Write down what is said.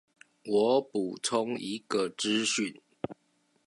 我補充一個資訊